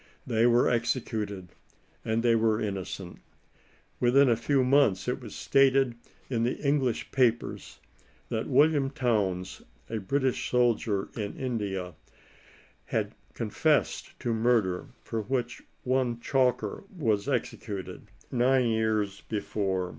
Thjey were executed,— and— ^Acy were innocentJ*' Within a few months it was stated in the finglish papers, that William Towns, a British soldier in India, had con fessed a murder for which one Chalker was executed, nine years before.